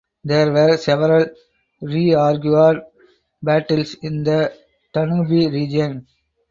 There were several rearguard battles in the Danube region.